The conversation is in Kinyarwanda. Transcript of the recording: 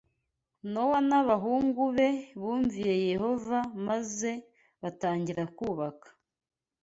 Nowa n’abahungu be bumviye Yehova maze batangira kubaka